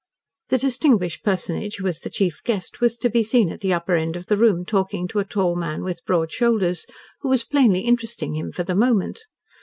The distinguished personage who was the chief guest was to be seen at the upper end of the room talking to a tall man with broad shoulders, who was plainly interesting him for the moment.